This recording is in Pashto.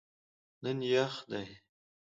نن یخ دی